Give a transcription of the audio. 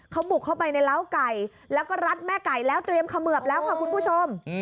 เขาบุกเข้าไปในร้าวไก่แล้วก็รัดแม่ไก่แล้วเตรียมเขมือบแล้วค่ะคุณผู้ชม